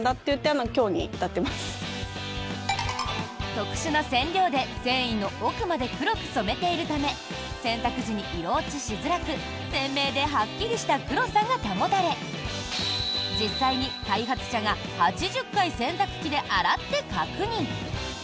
特殊な染料で繊維の奥まで黒く染めているため洗濯時に色落ちしづらく鮮明ではっきりした黒さが保たれ実際に、開発者が８０回洗濯機で洗って確認！